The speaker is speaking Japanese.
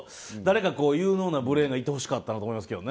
だれか有能なブレーンがいてほしかったなと思います。